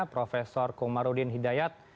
prof komarudin hidayat